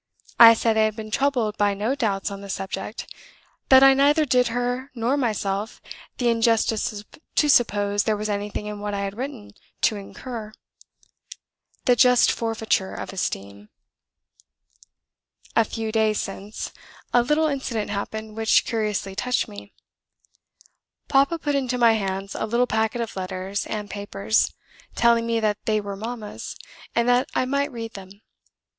I said I had been troubled by no doubts on the subject; that I neither did her nor myself the injustice to suppose there was anything in what I had written to incur the just forfeiture of esteem. ... "A few days since, a little incident happened which curiously touched me. Papa put into my hands a little packet of letters and papers, telling me that they were mamma's, and that I might read them.